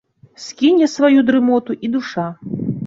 Скіне сваю дрымоту і душа.